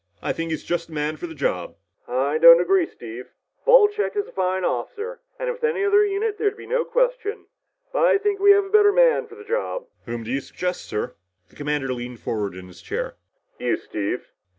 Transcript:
I think he's just the man for the job." "I don't agree, Steve. Wolcheck is a fine officer and with any other unit there'd be no question. But I think we have a better man for the job." "Whom do you suggest, sir?" The commander leaned forward in his chair. "You, Steve."